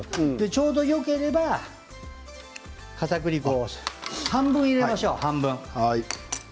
ちょうどよければかたくり粉を半分入れましょう。